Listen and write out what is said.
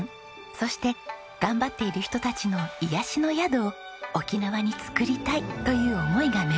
そして頑張っている人たちの癒やしの宿を沖縄に作りたいという思いが芽生えます。